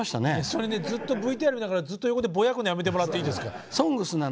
それねずっとＶＴＲを見ながらずっと横でぼやくのやめてもらっていいですか。